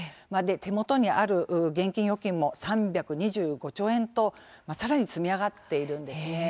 手元にある現金預金も３２５兆円とさらに積み上がっているんですね。